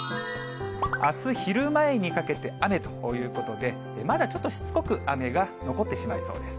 あす昼前にかけて雨ということで、まだちょっとしつこく雨が残ってしまいそうです。